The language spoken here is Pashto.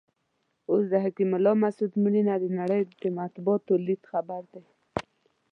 اوس د حکیم الله مسود مړینه د نړۍ د مطبوعاتو لیډ خبر دی.